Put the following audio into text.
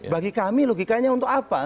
bagi kami logikanya untuk apa